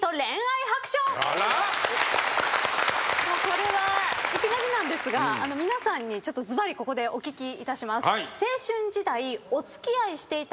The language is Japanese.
これはいきなりなんですが皆さんにずばりここでお聞きいたします。